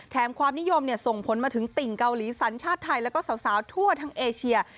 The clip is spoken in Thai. ความนิยมส่งผลมาถึงติ่งเกาหลีสัญชาติไทยแล้วก็สาวทั่วทั้งเอเชีย